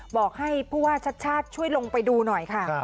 บอกให้ผู้ว่าชัดช่วยลงไปดูหน่อยค่ะ